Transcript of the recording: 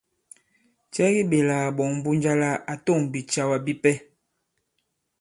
Cɛ ki ɓèlà kàɓɔ̀ŋ Mbunja la à tôŋ bìcɛ̀wa bipɛ?